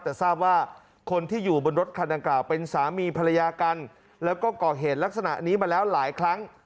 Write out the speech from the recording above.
แต่ทราบว่าคนที่อยู่บนรถคันดังกล่าวเป็นสามีภรรยากันแล้วก็ก่อเหตุลักษณะนี้มาแล้วหลายครั้ง